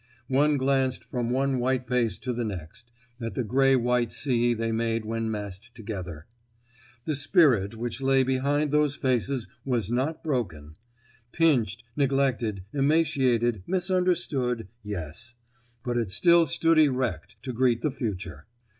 One glanced from one white face to the next—at the gray white sea they made when massed together. The spirit which lay behind those faces was not broken. Pinched, neglected, emaciated, misunderstood—yes; but it still stood erect to greet the future.